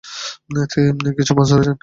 কিছু মাছ ধরেছেন?